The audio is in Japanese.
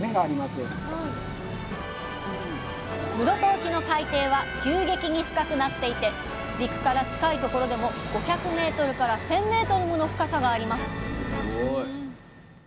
室戸沖の海底は急激に深くなっていて陸から近いところでも５００ｍから１，０００ｍもの深さがあります